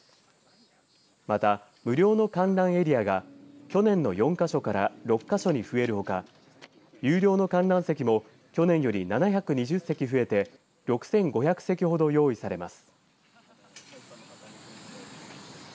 また、無料の観覧エリアが去年の４か所から６か所に増えるほか有料の観覧席も去年より７２０席増えて６５００席ほど用意されます。